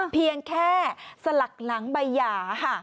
เพียงแค่สลักหลังใบหย่าค่ะ